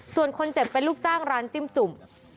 ส่วนคนเจ็บเป็นลูกจ้างร้านจิ้มจุ่ม